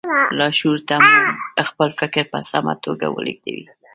لاشعور ته مو خپل فکر په سمه توګه ولېږدوئ